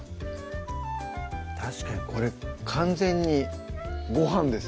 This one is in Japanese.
確かにこれ完全にごはんですね